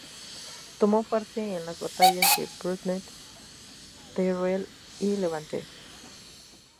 Tomó parte en las batallas de Brunete, Teruel y Levante.